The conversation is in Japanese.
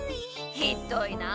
ひどいなあ！